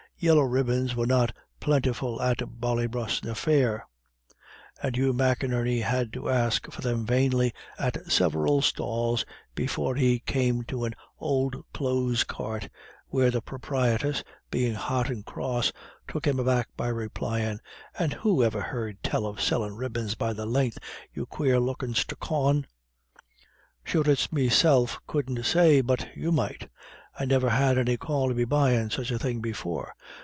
Yellow ribbons were not plentiful at Ballybrosna fair, and Hugh McInerney had to ask for them vainly at several stalls before he came to an old clothes cart, where the proprietress, being hot and cross, took him aback by replying: "And who ever heard tell of sellin' ribbons be the len'th, you quare lookin' stookawn?" "Sure it's meself couldn't say but you might; I niver had any call to be buyin' such a thing before.